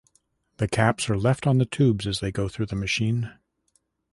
The caps are left on the tubes as they go through the machine.